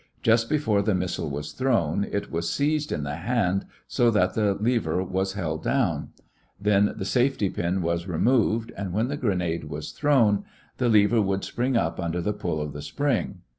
Just before the missile was thrown, it was seized in the hand so that the lever was held down. Then the safety pin was removed and when the grenade was thrown, the lever would spring up under pull of the spring A.